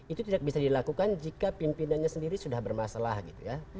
itu tidak bisa dilakukan jika pimpinannya sendiri sudah bermasalah gitu ya